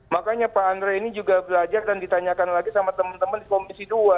makanya pak andre ini juga belajar dan ditanyakan lagi sama teman teman di komisi dua